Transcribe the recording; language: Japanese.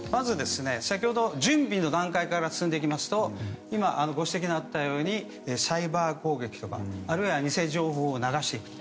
先ほど準備の段階から進んでいきますとご指摘のあったようにサイバー攻撃とかあるいは、偽情報を流していく。